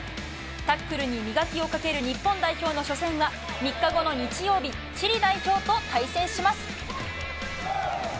タックルに磨きをかける日本代表の初戦は、３日後の日曜日、チリ代表と対戦します。